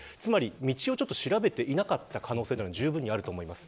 道を調べていなかった可能性はじゅうぶんにあると思います。